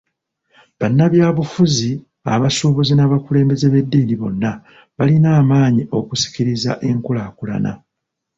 Bannabyabufuzi ,abasuubuzi n'abakulembeze b'eddiini bonna balina amaanyi okusikiriza enkulaakulana .